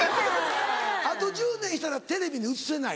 あと１０年したらテレビに映せない。